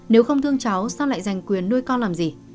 nếu không thương cháu xong lại giành quyền nuôi con làm gì